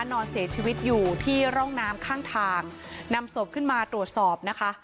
นอนเสียชีวิตอยู่ที่ร่องน้ำข้างทางนำศพขึ้นมาตรวจสอบนะคะ